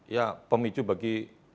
ya pemicu bagi